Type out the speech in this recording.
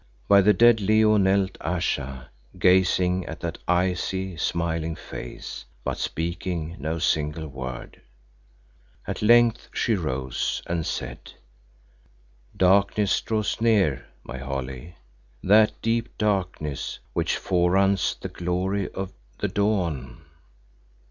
By the dead Leo knelt Ayesha, gazing at that icy, smiling face, but speaking no single word. At length she rose, and said, "Darkness draws near, my Holly, that deep darkness which foreruns the glory of the dawn.